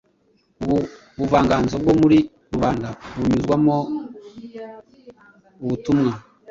ubu buvanganzo bwo muri rubanda bunyuzwamo ubutumwa